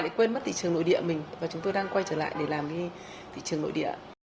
lại quên mất thị trường nội địa mình và chúng tôi đang quay trở lại để làm cái thị trường nội địa